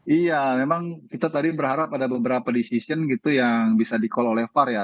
iya memang kita tadi berharap ada beberapa decision gitu yang bisa di call olevar ya